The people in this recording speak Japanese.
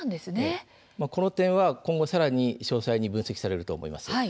この点は今後さらに詳細に分析されると思います。